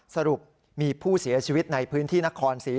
สรุปมีผู้เสียชีวิตในพื้นที่นครศรี